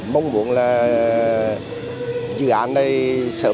mong buồn là dự án này sẽ